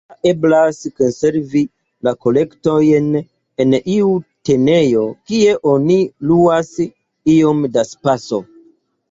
Ja eblas konservi la kolektojn en iu tenejo kie oni luas iom da spaco.